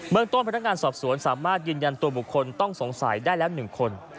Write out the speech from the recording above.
เมืองต้นพนักงานสอบสวนสามารถยืนยันตัวบุคคลต้องสงสัยได้แล้ว๑คน